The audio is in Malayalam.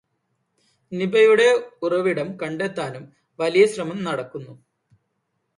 നിപയുടെ ഉറവിടം കണ്ടെത്താനും വലിയ ശ്രമം നടക്കുന്നു.